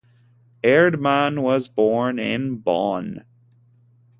Erdmann was born in Bonn.